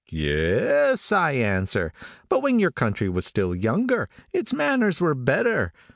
'Yes,' I answer, 'but when your country was still younger, it's manners were better.